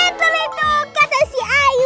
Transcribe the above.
betul itu kata si ayu